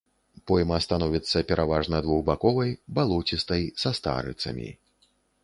Пойма становіцца пераважна двухбаковай, балоцістай, са старыцамі.